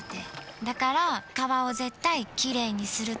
だから川を絶対きれいにするって。